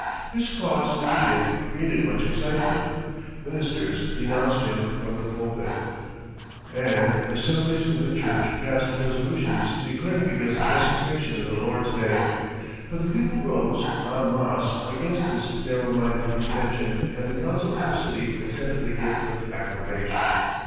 This clause in the gift created much excitement. Ministers denounced him from the pulpit and assemblies of the church passed resolutions declaring against the desecration of the Lord's Day. But the people rose, en masse, against this narrow minded contention and the Council of the city accepted the gift with acclamation.